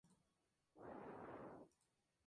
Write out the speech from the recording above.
Al terminar la guerra se queda en Guantánamo.